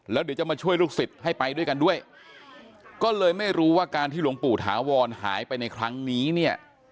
แล้วเดี๋ยวจะมาช่วยลูกศิษย์ให้ไปด้วยกันด้วยก็เลยไม่รู้ว่าการที่หลวงปู่ถาวรหายไปในครั้งนี้เนี่ย